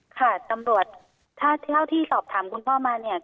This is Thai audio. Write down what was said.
ค่ะตำรวจถ้าเท่าที่สอบถามคุณพ่อมาเนี่ย